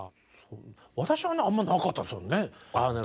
私はあんまりなかったですね。